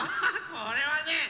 これはね